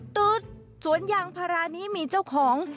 ตู๊ดสวนยางพารานี้มีเจ้าของ